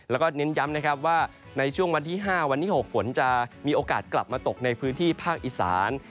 แล้วก็เน้นย้ำนะครับว่าในช่วงวันที่๕วันที่๖ฝนจะมีโอกาสกลับมาตกในพื้นที่ภาคอีสาน